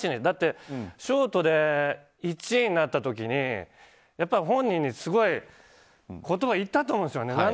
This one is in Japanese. だってショートで１位になった時に本人にすごいことを言ったと思うんですよね。